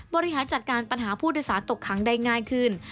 บริหารจัดการปัญหาผู้โดยสารตกค้างได้ง่ายขึ้น